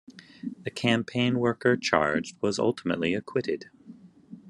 The campaign worker charged was ultimately acquitted.